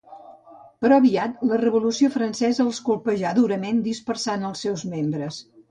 Però aviat la Revolució Francesa els colpejà durament, dispersant els seus membres.